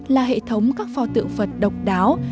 là hệ thống các phò tự phật độc đáo